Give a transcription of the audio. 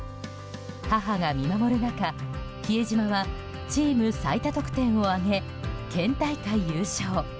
母が見守る中比江島はチーム最多得点を挙げ県大会優勝。